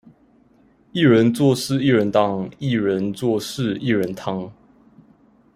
一人做事一人當，薏仁做事薏仁湯